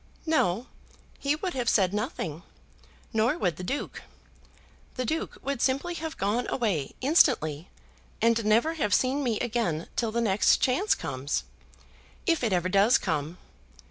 "No, he would have said nothing, nor would the Duke. The Duke would simply have gone away instantly, and never have seen me again till the next chance comes, if it ever does come.